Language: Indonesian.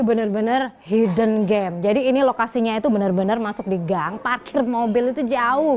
bener bener hidden game jadi ini lokasinya itu benar benar masuk di gang parkir mobil itu jauh